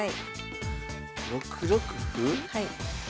はい。